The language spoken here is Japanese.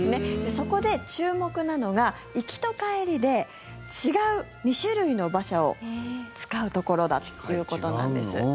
そこで注目なのが行きと帰りで違う２種類の馬車を使うところだということなんです。